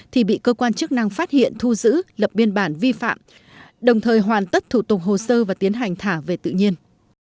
thì bị cơ quan chức năng phát hiện thu giữ lập biên bản vi phạm đồng thời hoàn tất thủ tục hồ sơ và tiến hành thả về tự nhiên